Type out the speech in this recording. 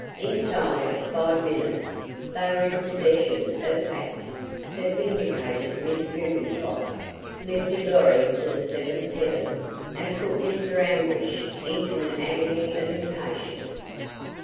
Inside of five minutes they were in possession of facts that vindicated Miss Guggenslocker, lifted Lorry to the seventh heaven, and put Mr. Anguish into an agony of impatience.